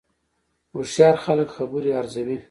هوښیار خلک خبرې ارزوي